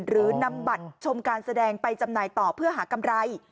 หรือนำบัตรชมการแสดงไปจำหน่ายต่อเพื่อหากำไร